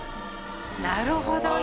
なるほどね！